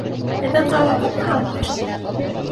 Һеҙҙең ҡалала күпме халыҡ йәшәй?